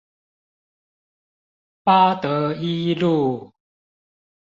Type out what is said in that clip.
八德一路